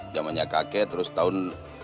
jamannya kakek terus tahun dua ribu